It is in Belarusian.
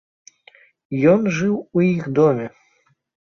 Ён жыў у іх доме.